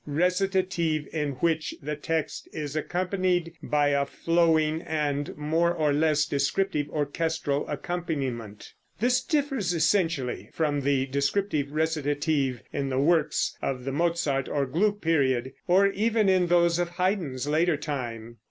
recitative in which the text is accompanied by a flowing and more or less descriptive orchestral accompaniment. This differs essentially from the descriptive recitative in the works of the Mozart or Gluck period, or even in those of Haydn's later time.